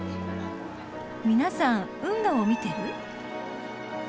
皆さん運河を見てる？